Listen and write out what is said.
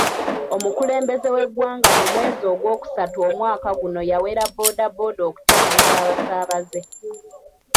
Omukulembeze w'eggwanga mu mwezi ogwokusatu omwaka guno yawera bbooda bbooda okutambuza abasaabaze.